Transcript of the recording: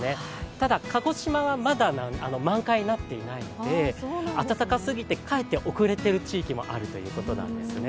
ただ、鹿児島はまだ満開になっていないので、暖かすぎてかえって遅れている地域もあるということなんですね。